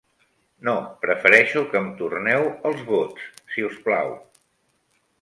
No, prefereixo que em torneu els vots, si us plau.